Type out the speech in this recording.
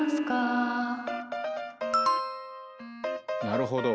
なるほど。